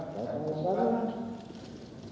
saya tahu sekarang